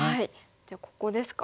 じゃあここですか？